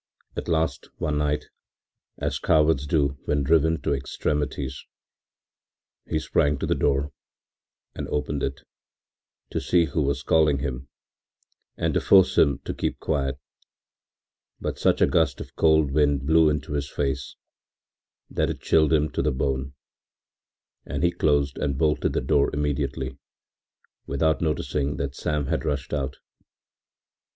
At last one night, as cowards do when driven to extremities, he sprang to the door and opened it, to see who was calling him and to force him to keep quiet, but such a gust of cold wind blew into his face that it chilled him to the bone, and he closed and bolted the door again immediately, without noticing that Sam had rushed out.